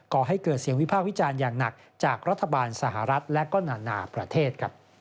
กให้เกิดเสียงวิพากษ์วิจารณ์อย่างหนักจากรัฐบาลสหรัฐและก็นานาประเทศ